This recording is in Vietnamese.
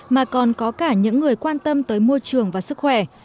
mà còn có cả những người quan tâm tới môi trường và sức khỏe